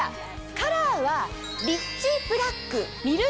カラーは。